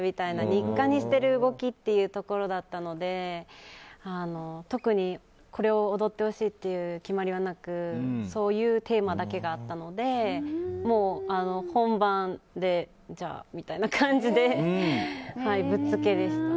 日課にしている動きというところだったので特に、これを踊ってほしいという決まりはなくそういうテーマだけがあったのでもう、本番でじゃあみたいな感じでぶっつけでした。